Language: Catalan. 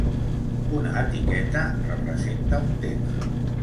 Una etiqueta representa un tema.